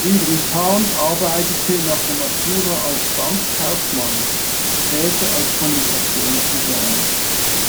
Friedrich Hahn arbeitete nach der Matura als Bankkaufmann, später als Kommunikationsdesigner.